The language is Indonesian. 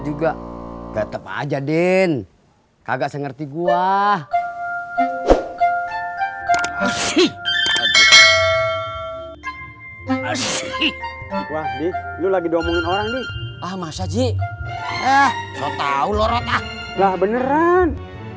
juga tetep aja din kagak ngerti gua sih ngerti lu lagi doang orang di masa ji so tau loh beneran